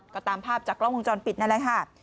ก็ตามภาพจากกล้องวงจรปิดนั่นแหละค่ะ